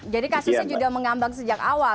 jadi kasus ini sudah mengambang sejak awal